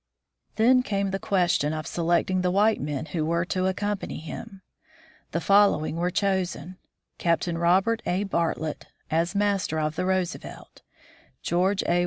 Then came the question of selecting the white men who were to accompany him. The following were chosen : Captain Robert A. Bartlett, as master of the Roosevelt ; George A.